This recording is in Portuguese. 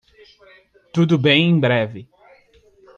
Tudo bem em breve.